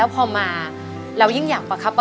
ขอบคุณครับ